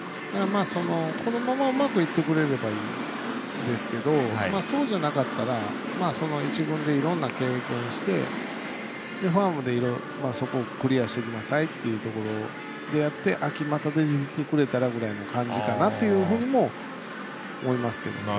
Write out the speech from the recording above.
このまま、うまくいってくれればいいですけどそうじゃなかったら一軍で、いろんな経験して、ファームでそこをクリアしてくださいというところでやって秋にまた出れたらというふうな感じにも思いますけどね。